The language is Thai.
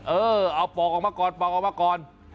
เออเอาปอกออกมาก่อนปอกออกมาก่อน